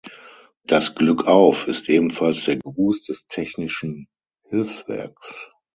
Das „Glückauf“ ist ebenfalls der Gruß des Technischen Hilfswerks.